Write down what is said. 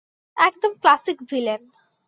একদম classic villain.